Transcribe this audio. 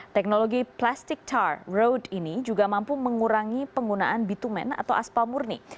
teknologi plastic tar road ini juga mampu mengurangi penggunaan bitumen atau aspal murni